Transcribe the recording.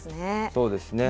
そうですね。